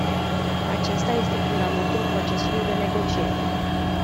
Acesta este fundamentul procesului de negociere.